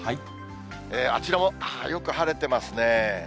あちらもよく晴れてますね。